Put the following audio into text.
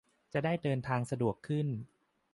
จะได้เดินทางสะดวกขึ้น